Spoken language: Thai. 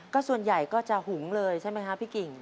ก็ส่วนใหญ่ก็จะหุงเลยใช่ไหมคะพี่กิ่ง